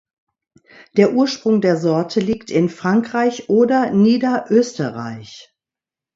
Der Ursprung der Sorte liegt in Frankreich oder Niederösterreich.